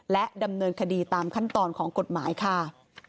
และดำเนินคดีตามขั้นตอนของกฎหมายค่ะ